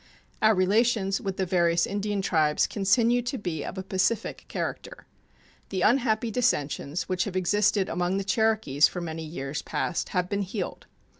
Our relations with the various Indian tribes continue to be of a pacific character. The unhappy dissensions which have existed among the Cherokees for many years past have been healed.